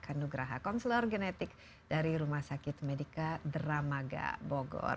ekanugraha konselor genetik dari rumah sakit medica dramaga bogor